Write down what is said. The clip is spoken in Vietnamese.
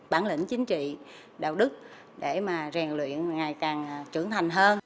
bản lĩnh chính trị đạo đức để mà rèn luyện ngày càng trưởng thành hơn